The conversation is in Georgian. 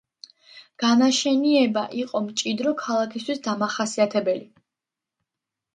განაშენიანება იყო მჭიდრო, ქალაქისთვის დამახასიათებელი.